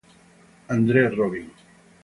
André Robin